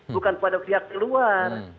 bukan pada pihak luar